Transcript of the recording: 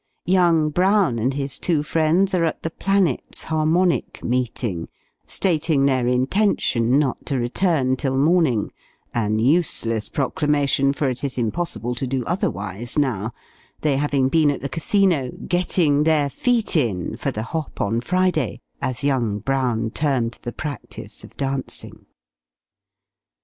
Young Brown and his two friends are at the "Planets" harmonic meeting, stating their intention not to return till morning an useless proclamation, for it is impossible to do otherwise, now they having been at the Casino, "getting their feet in," for the hop on Friday, as young Brown termed the practice of dancing.